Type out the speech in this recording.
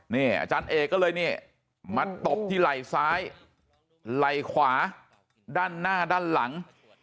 นี่อาจารย์เอกก็เลยนี่มาตบที่ไหล่ซ้ายไหล่ขวาด้านหน้าด้านหลัง